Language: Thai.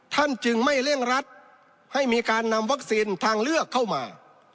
จึงไม่เร่งรัดให้มีการนำวัคซีนทางเลือกเข้ามา